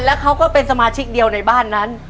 แล้วเขาก็เป็นสมาชิกเดียวในบ้านนั้น